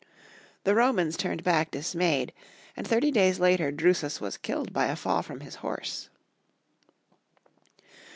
The Romans turned back dismayed ; and thirty days later Drusus was killed by a fall from his horse.